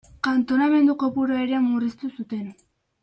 Kantonamendu kopurua ere murriztu zuten.